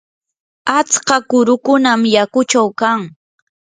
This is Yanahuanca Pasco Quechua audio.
atska kurukunam yakuchaw kan.